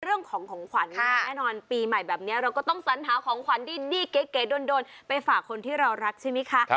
เรื่องของของขวัญแน่นอนปีใหม่แบบนี้เราก็ต้องสัญหาของขวัญดีเก๋โดนไปฝากคนที่เรารักใช่ไหมคะ